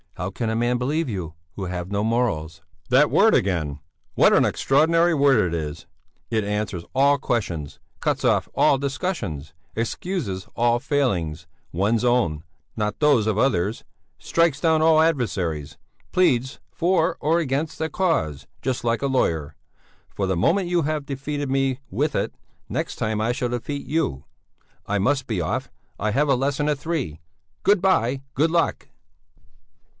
"How can a man believe you, who have no morals?" "That word again! What an extraordinary word it is! It answers all questions, cuts off all discussions, excuses all failings one's own, not those of others strikes down all adversaries, pleads for or against a cause, just like a lawyer. For the moment you have defeated me with it, next time I shall defeat you. I must be off, I have a lesson at three! Good bye, good luck!"